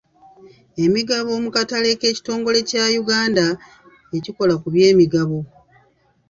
Emigabo mu katale k'ekitongole kya Yuganda ekikola ku by'emigabo.